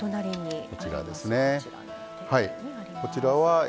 こちらですねはい。